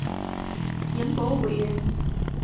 颜伯玮人。